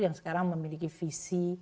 yang sekarang memiliki visi